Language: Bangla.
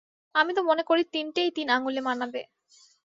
আমি তো মনে করি তিনটেই তিন আঙুলে মানাবে।